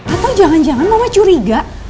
atau jangan jangan mama curiga